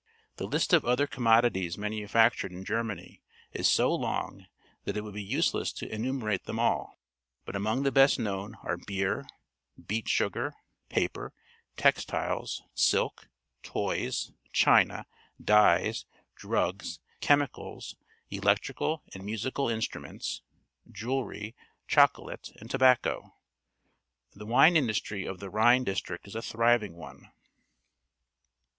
The fist of other commodities manufactured in Germany is so long that it would be useless to enumerate them all, but among the best known are beer, beet sugar, paper, textiles, silk, toys, china, dj es, drugs, chemicals, electrical and musical instruments, jewellery, chocolate, and tobacco. The wine industry of the Rhine district is a thriving one.